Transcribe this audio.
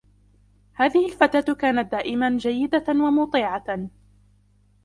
هذه الفتاة كانت دائماً جيدة ومُطيعة.